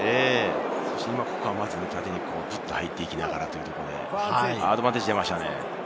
まず、ここは縦にぐっと入っていきながらというところで、アドバンテージが出ましたね。